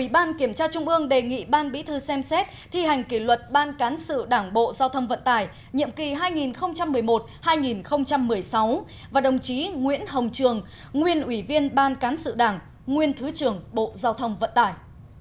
bộ giao thông vận tài nhiệm kỳ hai nghìn một mươi một hai nghìn một mươi sáu và đồng chí nguyễn hồng trường nguyên ủy viên ban cán sự đảng nguyên thứ trưởng bộ giao thông vận tài